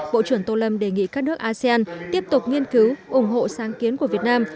bộ trưởng tô lâm đề nghị các nước asean tiếp tục nghiên cứu ủng hộ sáng kiến của việt nam